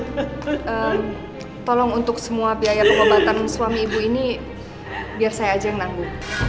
tolong untuk semua biaya pengobatan suami ibu ini biar saya aja yang nanggung